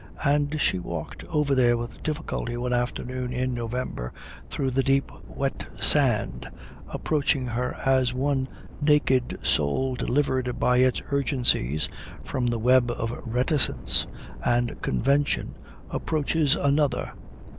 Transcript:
and she walked over there with difficulty one afternoon in November through the deep wet sand, approaching her as one naked soul delivered by its urgencies from the web of reticence and convention approaches another.